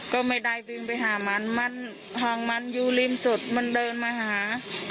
ก็ไม่ได้วิ่งไปหามันมันห้องมันอยู่ริมสุดมันเดินมาหา